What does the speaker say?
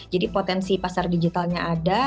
jadi potensi pasar digitalnya ada